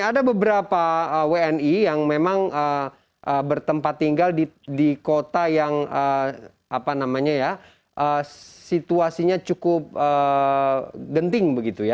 ada beberapa wni yang memang bertempat tinggal di kota yang situasinya cukup genting